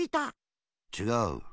ちがう。